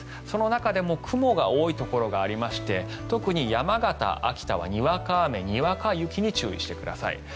その中でも雲が多いところがありまして特に山形、秋田はにわか雨、にわか雪に注意してください。